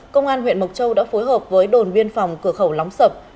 công an huyện mộc châu đã phối hợp với đồn biên phòng cửa khẩu lóng sập